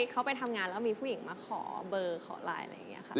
เขาไปทำงานแล้วมีผู้หญิงมาขอเบอร์ขอไลน์อะไรอย่างนี้ค่ะ